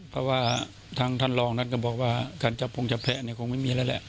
เพราะว่าทางท่านรองนั้นก็บอกว่าการจับพงจับแพ้เนี่ยคงไม่มีแล้วแหละ